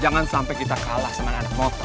jangan sampai kita kalah sama anak motor